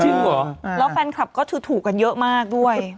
จริงเหรอแล้วแฟนคลับก็ถูกกันเยอะมากด้วย